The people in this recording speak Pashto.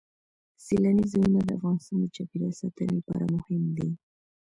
سیلاني ځایونه د افغانستان د چاپیریال ساتنې لپاره مهم دي.